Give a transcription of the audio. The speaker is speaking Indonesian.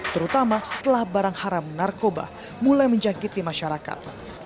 terutama setelah barang haram narkoba mulai menjangkiti masyarakat